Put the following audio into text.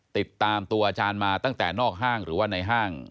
ติดตามตัวอาจารย์มาตั้งแต่นอกห้างหรือว่าในห้าง